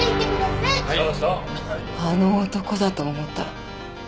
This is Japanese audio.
あの男だと思った。